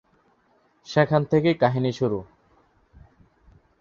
সেখান থেকেই কাহিনীর শুরু।